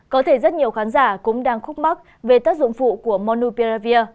có thể rất nhiều khán giả cũng đang khúc mắt về tác dụng phụ của monupiravir